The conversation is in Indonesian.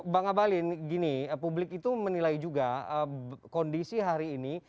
bang abalin gini publik itu menilai juga kondisi hari ini